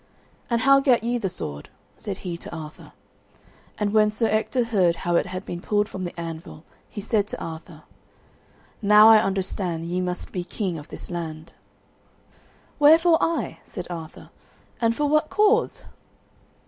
"And how gat ye the sword?" said he to Arthur; and when Sir Ector heard how it had been pulled from the anvil, he said to Arthur: "Now I understand ye must be king of this land." "Wherefore I?" said Arthur, "and for what cause?"